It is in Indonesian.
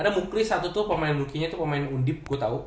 ada mukri satu tuh pemain rookienya tuh pemain undip gue tau